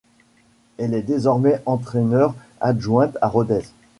Elle est désormais entraîneure adjointe à Rodez.